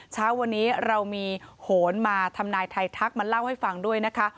เช้าวันนี้เรามีโหนมาทำนายไทยทักมาเล่าให้ฟังด้วยนะคะ